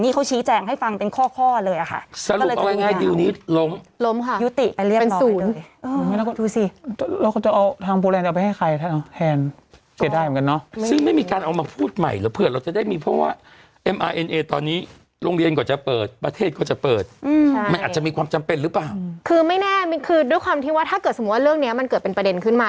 คือไม่แน่คือด้วยความที่ว่าถ้าเกิดสมมุติว่าเรื่องนี้มันเกิดเป็นประเด็นขึ้นมา